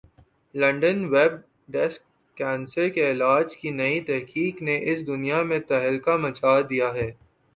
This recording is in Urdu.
لندن ویب ڈیسک کینسر کے علاج کی نئی تحقیق نے اس دنیا میں تہلکہ مچا دیا ہے